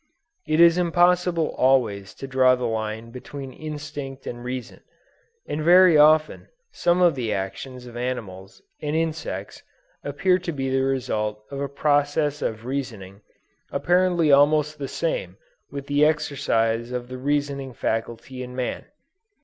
It is impossible always to draw the line between instinct and reason, and very often some of the actions of animals and insects appear to be the result of a process of reasoning apparently almost the same with the exercise of the reasoning faculty in man.